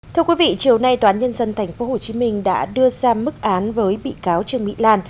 thưa quý vị chiều nay tòa án nhân dân tp hcm đã đưa ra mức án với bị cáo trương mỹ lan